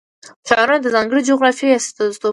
ښارونه د ځانګړې جغرافیې استازیتوب کوي.